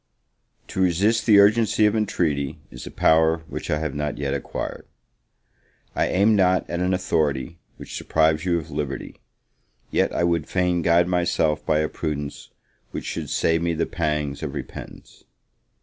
TO resist the urgency of intreaty, is a power which I have not yet acquired: I aim not at an authority which deprives you of liberty, yet I would fain guide myself by a prudence which should save me the pangs of repentance.